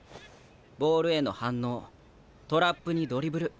ボールへの反応トラップにドリブル。